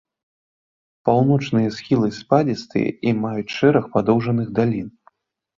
Паўночныя схілы спадзістыя і маюць шэраг падоўжаных далін.